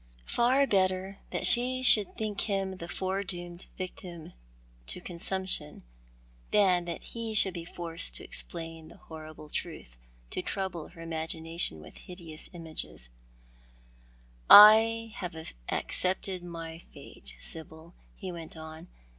Far better that she should think him the foredoomed victim to consumption than that he shoixld be forced to explain the horrible truth, to trouble her imagination with hideous images, "I have accepted my fate, Sybil," he went on.